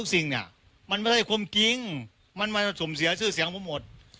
กล้วยว่ามันเสียเสียงของผมหมด